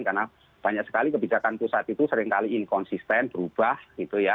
karena banyak sekali kebijakan pusat itu seringkali inkonsisten berubah gitu ya